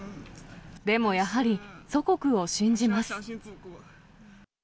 でもやはり祖国を信じます。